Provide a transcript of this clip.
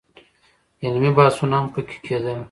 علمي بحثونه هم په کې کېدل.